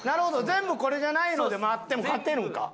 全部これじゃないので回っても勝てるんか。